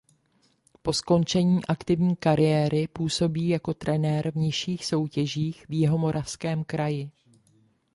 Po skončení aktivní kariéry působí jako trenér v nižších soutěžích v Jihomoravském kraji.